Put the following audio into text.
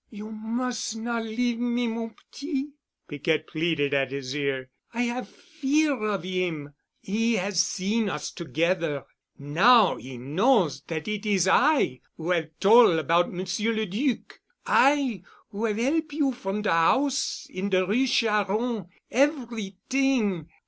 "You mus' not leave me, mon petit," Piquette pleaded at his ear. "I 'ave fear of him. 'E 'as seen us together. Now 'e knows that it is I who 'ave tol' about Monsieur le Duc—I who 'ave 'elp you from de house in de Rue Charron—everyt'ing.